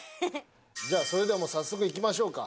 じゃあそれではもう早速いきましょうか。